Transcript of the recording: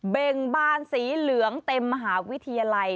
เบ่งบานสีเหลืองเต็มมหาวิทยาลัย